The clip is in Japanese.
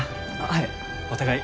はい！